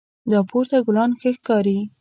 دا پورته ګلان ښه ښکاري